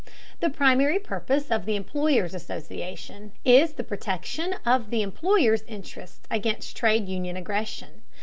The primary purpose of the employers' association is the protection of the employers' interests against trade union aggression.